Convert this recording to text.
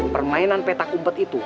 permainan peta kumpet itu